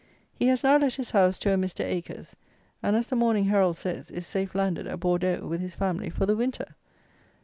He has now let his house to a Mr. Acres; and, as the Morning Herald says, is safe landed at Bordeaux, with his family, for the winter!